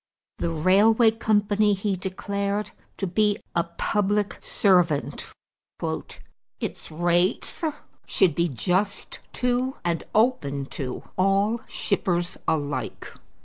The railway company he declared to be a public servant. "Its rates should be just to and open to all shippers alike."